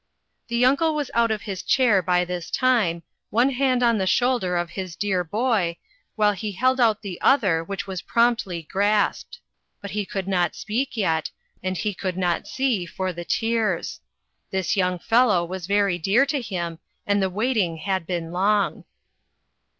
The uncle was out of his chair by this time, one hand on the shoulder of his dear boy, while he held out the other, which was promptly grasped ; but he could not speak yet, and he could not see for the tears. This young fellow was very dear to him, and the waiting had been long.